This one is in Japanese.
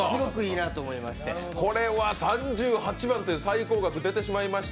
これは３８万という最高額、出てしまいました。